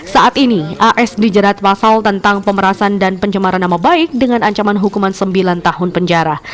saat ini as dijerat pasal tentang pemerasan dan pencemaran nama baik dengan ancaman hukuman sembilan tahun penjara